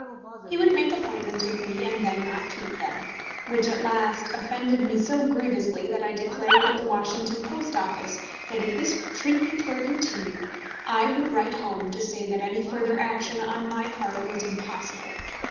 He would make appointments with me and then not keep them, which at last offended me so grievously, that I declared at the Washington Post Office that if this treatment were continued, I would write home to say that any further action on my part was impossible.